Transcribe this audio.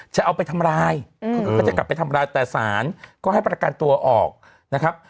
จะเอาไปทำร้ายเขาก็จะกลับไปทำร้ายแต่ศาลก็ให้ประกันตัวออกนะครับ